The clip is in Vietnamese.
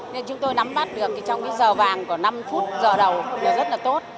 nên chúng tôi nắm mắt được trong cái giờ vàng của năm phút giờ đầu là rất là tốt